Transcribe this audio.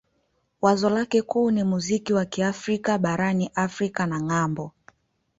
Wazo lake kuu ni muziki wa Kiafrika barani Afrika na ng'ambo.